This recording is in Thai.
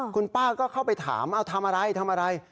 คุณป้าก็เข้าไปถามเอาทำอะไรทำอะไร